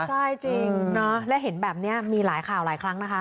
ใช่จริงและเห็นแบบนี้มีหลายข่าวหลายครั้งนะคะ